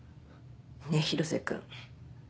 ねぇ広瀬君。